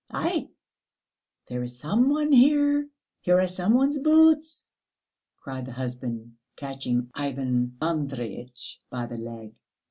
"Aïe! There is some one here. Here are somebody's boots!" cried the husband, catching Ivan Andreyitch by the leg.